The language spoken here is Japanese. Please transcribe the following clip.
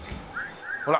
ほら！